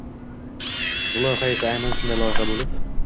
Bu loyiha esa aynan shunday loyiha bo‘lib